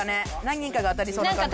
何人かが当たりそうな感じ。